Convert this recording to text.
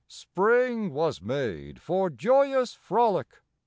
^"^ Spring was made for joyous frolic.